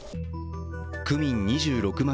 区民２６万